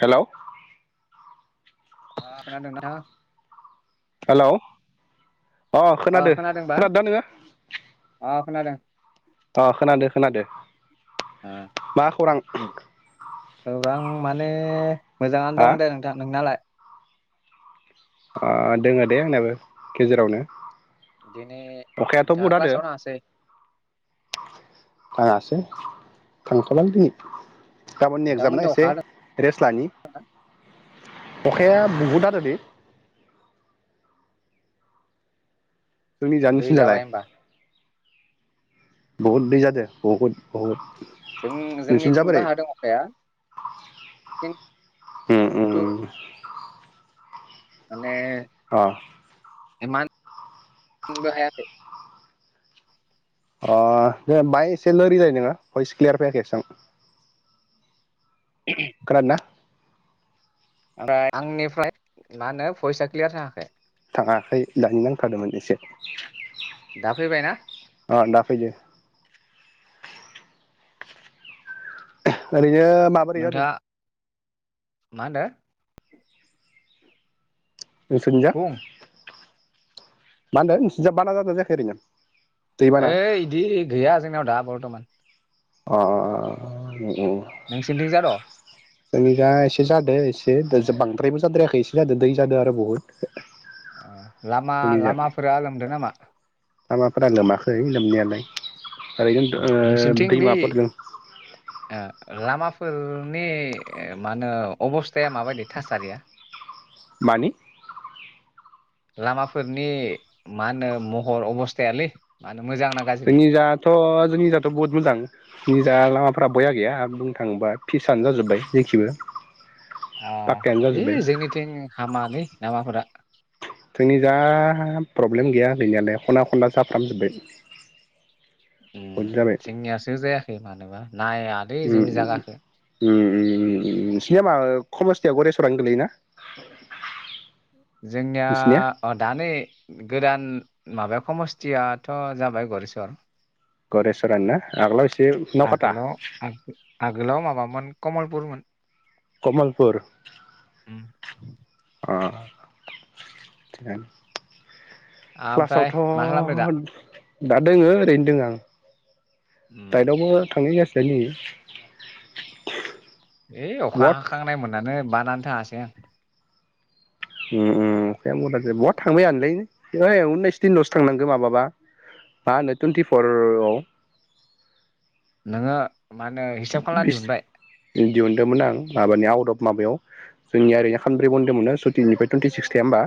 Hello अ खोनादोंना? Hello. अ ओ खोनादो खोनादोंबा खोनादोना नोङो अ खोनादों अ' खोनादो-खोनादो। ओ मा खौरां? खौरां माने हा मोजाङानो दं दे नोंथां नोंनालाय ओ दोङो दे आंनाबो गेजेरावनो दिनै अखायाथ' बुहुद नोंथांङा हादो क्लासआव थाङासै। थांथलालै दिनै। गाबोननो एगजाम ना नोंथांमोननियाव एसे अखा हादों रेस्ट लानि अखाया बहुद हादोदि। जोंनि जा दै निसिना लाय। जाबाय होमबा बहुत दै जादो बहुत-बहुत। जों जोंनिथिंबो हादों अखाया थिं उम उम थु उम [unintelligible] अ इमानबो हायाखै अ दे बाहाय एसे लोरिलाय नोङो भइस क्लियार फैयाखै एसां खोनादों ना? ओमफ्राय आंनिफ्राय मा होनो भयसा क्लियार थाङाखै थाङाखै दानि बुंखादोंमोन एसे दा फैबायना? अ दा फैदो। ओरोय बेयो माबोरै जादों नोंथाङा मा होनदो नोंसोरनिजा बुं मा होनदो नोंसिनिजा बाना जादोंना जायाखै एरैनो ऐ इदि गैया जोंनियाव दा बर्थमान अ अ ओं ओं नोंसोरनिथिं जाद' जोंनि जा एसे जादों एसे बांद्रायबो जाद्रायाखै एसे जादों दै जादों आरो बहुद ओ लामा जोंनिजा लामाफोरा लोमदो नामा? लामाफोरा लोमाखै लोमनायालाय ओरैनो ओ दैमा आ लामाफोरनि मा होनो अबस्थाया माबायदि थासारिया मानि लामाफोरनि मा होनो महर अबस्थायालै मा होनो मोजां ना गाज्रि जोंनि जाथ' जोंनिजाथ' बहुत मोजां निजा लामा फोरा बया गैया बुंनो थाङोबा फिसानो जाजोब्बाय जोंनिथिंबो आ इ जोंनिथिं हामालै लामाफोरा जोंनि जा प्रब्लेम गैया गैनायालाय खना खनला जाफ्राम जोब्बाय उम जोंनियासो जाया खै मानोबा नायालै उम जोंनि उम जागाखो उम उम उम उम नोंसिना मा कमस्थिया गरेस्वरानो गोलैयोना? जोंनिया नोंसिनिया ओ दानि गोदान माबाया खमस्थियाथ' जाबाय गरेस्वर गरेस्वरआनो ना आगोलाव एसे नावखाथा आगोलाव आगोलाव माबामोन कमलपुरमोन। कमलपुर उम, अ थिगानो ओमफ्राय मा खालामदो दा क्लासावथ' दा दोङो ओरैनो दोङो आं उम दाइदआवबो थांनायजासि नि है अखा हाखांनाय मोनाखै बा नानै थाङासै आं ओम ओम अखायानो बुरजाद्राय बहा थांनो बाया जानोलै ओइ उनिस दिनल'सो थांनांगौ माबाबा मा होनो टुवन्टिफरआव नोङो मा होनो हिसाब खालामनानै दिहुनबाय दिहुनदोंमोन आं माबानि आउट अफ माबायाव जोंनिया ओरैनो खानब्रै बन्द मोनो सुटिनिफ्राय टुइन्टिसिक्स गैया होमबा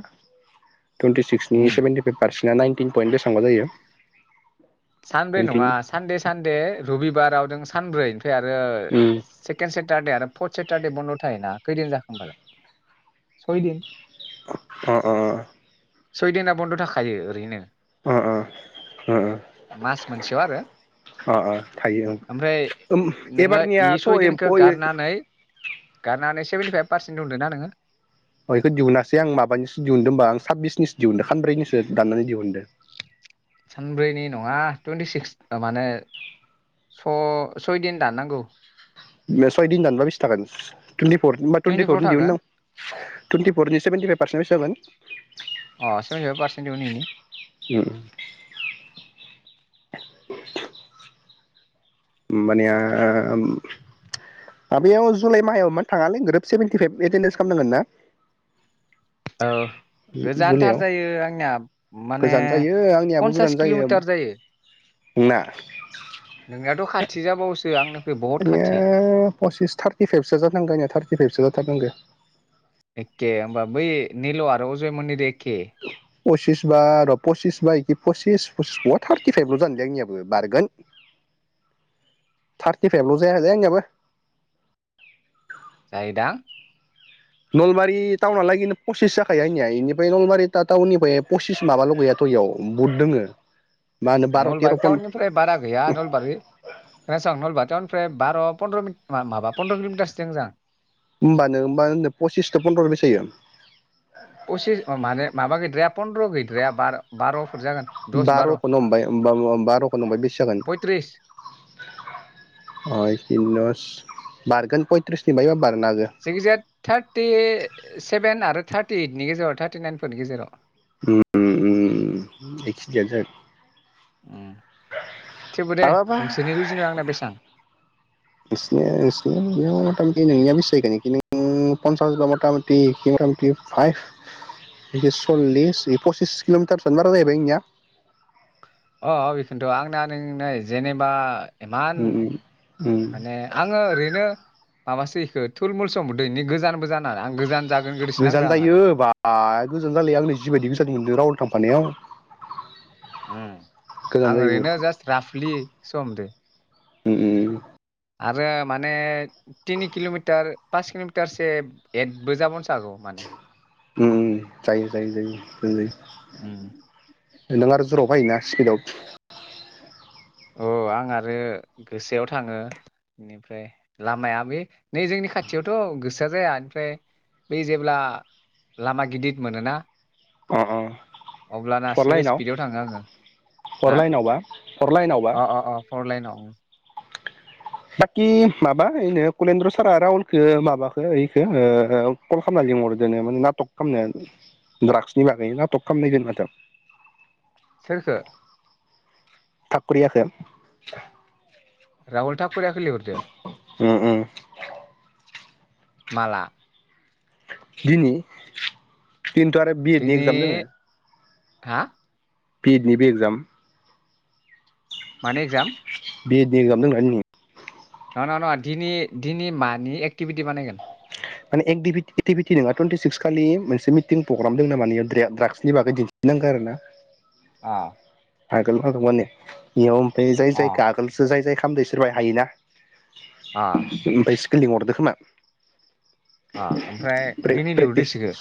टुइन्टिसिक्सनि उम सेभेन्टिभाइफ पारसेन बिना नाइनटिन पइन्ट बेसेबांबा जायो सानब्रै नाइनटिन नङा सानदे सानदे रबिबाराव जों सानब्रै आरो सेकेण्ड से टारदे आरो फर्थ सेटारदे बन्द' थायोना खैदिन जाखो होनबालाय सयदिन अ अ सइदेनाआ बन्द' थाखायो ओरैनो अ अ ओ ओ मास मोनसेयाव आरो अ अ थायो ओमफ्राय ओं नोङो इ एबारनियाथ' सयदिनखौ एम्फौ गारनानै गारनानै सेभेन्टिफाइभ पारसेन्ट दंहोनदोंना नोङो इखौ दिहुनासै आं माबानिसो दिहुनदों होमबा आं साब्बिसनिसो दिहुनदो खानब्रैनिसो दाननानै दिहुनदो सानब्रैनि नङा टुइन्टिसिक्स माने स सयदिन दाननांगौ बे सयदिन दानबा बेसे थागोन टुइनटिपर होनबा टुइन्टिफर टुइन्टिपरनि दिहुननां थागोन [unintelligible] टुइन्टिफरनि सेभेन्टिफाइब पारसेना बेसे जागोन अ सेभेन्टि फाइभ पारसेेन्ट दिहुनहैनि जागोन [unintelligible] होमबानिया ओम माबायाव जुलाइ माहायाव एमान थाङालै ग्रोब सेभेेनटिफाइभ एटेडेन्स खालामनांगोन ना औ गोजानथार जुलाइआव जायो आंनिया माने गोजान जायो आंनियाबो गोजान पन्सास किल'मिटार जायो नोंना नोंनियाथ' खाथि जाबावोसो आंना बिनो पसिस थारटिफाइबसो जानांगौया थार्टिफाइभसो जाथारनांगौ खे होमबा बै निल आरो अजयमोनिदो ए के पसिस बा र' पसिस बा एखि पसिस पसिस बहा थार्टिफाइभल' जानोले आंनियाबो बारगोन थारटिफाइभल' जाय दे आंनियाबो जायोदां नलबारि टाउनालागि पसिस जाखायो आंनिया बेनिफ्राय नलबारि टाउननिफ्राय पसिस माबाल' गैयाथ' इयाव बुहुट दोंङो नलबारि टाउननिफ्राय बारा गैया नलबारि खोनासं नलबारि टाउन ओमफ्राय बार' पन्द्र माबा पन्द्र किल'मिटारसो दंजां होमबानो होमबा होनदो पसिसदो फन्द्र' बेसे जायो पसिस माने माबा गैद्राया पन्द्र' गैद्राया बार बार' जागोन दस बार'खौनो हमबाय होमबाथ बा बार'खौनो हमबाय बेसे पयथ्रिस जागोन [unintelligible] बारगोन पयथ्रिसनि बायबाबो बारगोन जायखिजाया थार्टि सेभेन आरो थार्टि ओइटनि गेजेराव थार्टिनाइनफोरनि गेजेराव। उम-उम-उम बे खिनियानो जागोन उम थेवबो दे माबाबा नोंसोरनि रुजुनायाव आंना बेसेबां नोंसिनिया नोंसिनिया बेयाव मथामथि नोंनिया बेसे जाहैगोन बेखै नों फन्सासबा मथामथि एखै मथामथि फाइभ सल्लिस बे पसिस किल'मिटारफोरानो बारा जाहैबाय नोंनिया। अ अ बेखोन्थ' आंना नों नाय जेनेबा इमान उम उम माने आंङो ओरैनो माबासो एखो थुलमुलसो हमबावदों बेनि गोजानबो जानो आं गोजान जागोन गोदोसो नांदों गोजान आं जायो आरो बा गोजान जालाया आंङो जिबायदि गोजान मोनदों राहुल थांफानायाव। उम गोजान आं जायो बहुद ओरैनो जास्ट राफलिसो हमदो। उम उम। आरो माने तिनि किल'मिटार पास किल'मिटारसे एदबो जाबावनोसो हागौ माने। उम जायो-जायो-जायो नों आरो ज'राव फायोना स्पिडआव अ आं आरो गोसायाव थांङो इनिफ्राय लामाया बे नै जोंनि खाथियावथ' गोसा जाया ओमफ्राय बै जेब्ला लामा गिदिर मोनोना अ अ फर अब्लानासो लाइनाव स्पिडआव थांङो आंङो। फर हा? लाइनावबा फर लाइनावबा अ-अ-अ फरलाइनाव। [inaudible] बाखि माबा ऐनो कलेन्द्र सारआ राहुलखौ माबाखो ऐखो ओ कल खालामना लिंहरदोनो माने नटक खालामनो द्राग्सनि बागै नटक खालामनाय जायोनो माथो? सोरखो? थाकुरियाखो राहुल टाकुरियाखो लिहरदो? उम उम माला? धिनि खिन्थु आरो बि एड नि दिनै एक्जाम दोंङो। हा? बि एडनिबो एकजाम मानि एक्जाम? बि एड नि एकजाम दंना आंनि दा न नङा नङा दिनि दिनि मानि एक्टिभिटि बानायगोन? माने एक्बिभ्लिट भिबिटि नङा टुइन्टिसिक्स खालि मोनसे मि थिं प्रग्राम दोङोनो माने मानयाव द्राग्सनि बागै दिन्थिनांगो आरो ना अ आगोल [unintelligible] माने इयाव बे जाय जाय अ आगोलसो जाय जाय खामदो इसोरबाय हायोना अ ओमफाय [unintelligible] लिंहरदो खोमा अ ओमफ्राय दिनै लिहरदो प्रे-प्रेक्टिस इसोरखो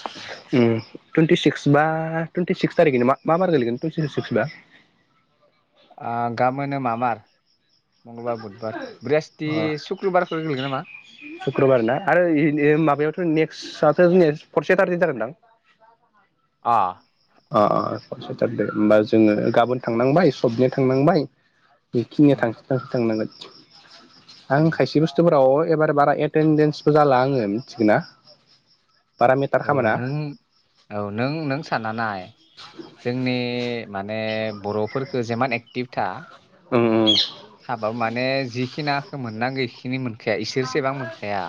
उम टुन्टि सिक्स बा टुइन्टि सिक्स थारिखै नोमा मा बार गोलैगोन टुइन्टि सिक्स बा आ गाबोनो मा बार? अ सुक्रुबारफोर गोलैगोन नामा सुक्रबार ना आरो इ माबायावथ' नेक्साव [unintelligible] फर सेटारदे जागोन दां। अ। अ अ फर सेथार दे होमबा जोङो गाबोन थांनांबाय सबनिया थांनांबाय। बेखिनिया उम थांसि थांसि थांनांगोन। आं उम खायसे बुस्थुफोराव। एबार बारा एटेेनडेन्सबो जाला आङो मिथिगोना। औ नों औ नों नों सानना नाय। जोंनि माने बर'फोर खो जिमान एक्टिभ था। ओम। थाबाबो माने जिखिनाखौ मोननांगौ इखिनि मोन खाया इसोरसेबां मोनखाया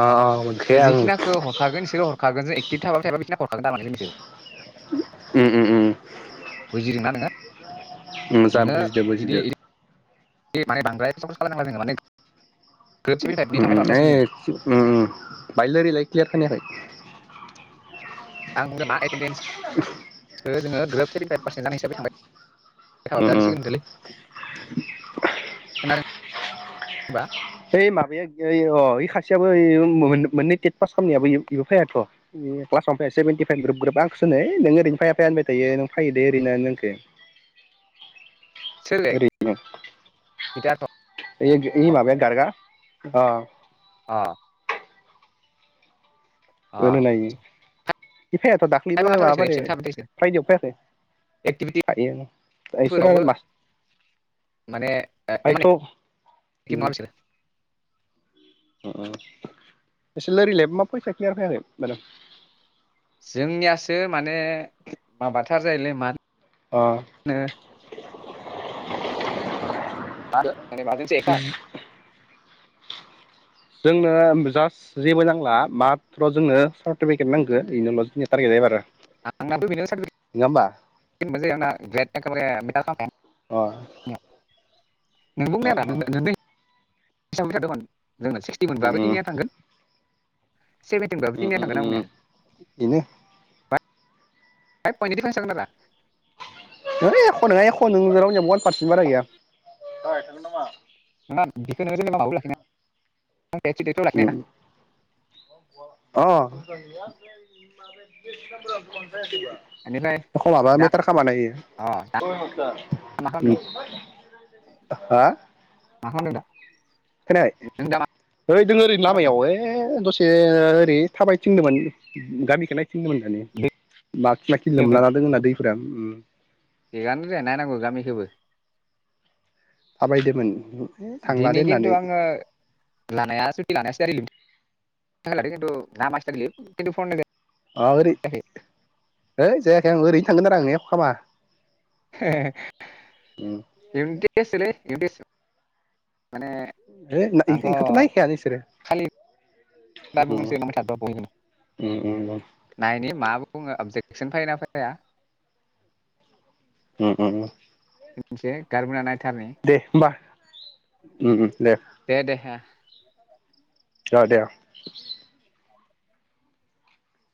अ मोनखाया आं ओम जिखिनाखौ हरखागोन इसोरो हरखागोन जों। [unintelligible] उम उम उम। बुजिदों ना नोङो? मोजां नोङो बुजिदो इदि बुजिदो। [unintelligible] जोङो माने ग्रोब सेभेन्टि फाइभनि थांबाय थाबा उम ए जासिगोन जों उम बाय लोरिलाय क्लियार खोनायाखै। [unintelligible] जोङो ग्रोब सेभेन्टि फाइभ पारसेन्ट ओम ओम जानाय हिसाबै थांबाय। [unintelligible] होनबा। ओइ माबाया ओइ अ ओइ खासेयाबो ओइ मोन मोननै थेथ फास खामनायाबो इयाव इयाव फायाथ' क्लासाव फाय सेभेेनटि फाइभ ग्रोब ग्रोब आंखोसो ओनो ओइ नोङो ओरैनो फाया फाया होनबाय थायो नों फायो दे ओरै ओनो नोंखो। सोरलै ओरैनो गिटारथ' ओय ओय माबया। [unintelligible] अ अ। एफाययाथ' दाख्लैबो खायफाथ' इसोर माबाफारि एबसेन्ट थाबाय थायो इसोर फ्राइडेयाव फैखै थायो बिसोरो एक्टिभिटिफोरावबो आरो मास माने ओ इमान आयथ' एक्टिभ नङा उम। बिसोरो अ अ [unintelligible] जोंनियासो माने माबाथार जायोलै माल ओ [unintelligible] जोंनो जास्ट जेबो नांला माथ्र' जोंनो सार्टिफिकेट नांगौ बेनोल' जोंनि टारगेट आएबारो अ अ [unintelligible] [unintelligible] जोंना सिक्सटि मोनब्लाबो उम जोंनिया थांगोन। सेभेन्टि मोनबाबो उम तिनियानो उम थांगोन आं उम बुंनाया इनो। [unintelligible] ओइ एख' नङा एख' [unintelligible] बारा गैया। बेखौनो जेनेबा माबो लाखिना [unintelligible] उम [unintelligible] बेनिफ्राय एख' माबा दा मेटार खामाना इयो। अ दा मा खालामदों हा? मा खालामदों दा? नों दा मा खोनायाखै ओइ दों ओरै खालामदों लामायाव ओइ दस से ओरै थाबाय थिनदोंमोन गामिखौ नाय दै [unintelligible] लोंदों लोमलाना [unintelligible] दै [unintelligible] उम थिगानो दे नायनांगौ गामिखोबो। थाबायदोमोन थांलादो दिनै खिन्थु होननानै आङो लानाया [unintelligible] [unintelligible] ओ ओरै जायाखै है जायाखै आं ओरैनो थांगोन आरो [unintelligible] उम [unintelligible] [unintelligible] माने [unintelligible] आंथ' इखौथ' नायखायानो इसोरो। खालि उम [unintelligible] उम उम नायनि मा बुङो [unintelligible] एक्सन फायोना फाया। उम उम। [unintelligible] दे होमबा उम उम दे। [inaudible] अ दे अ।